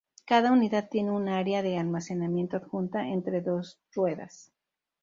Cada unidad tiene una área de almacenamiento adjunta entre dos ruedas.